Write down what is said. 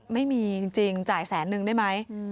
ไม่มีจริงจ่ายแสนนึงได้ไหม